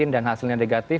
dan hasilnya negatif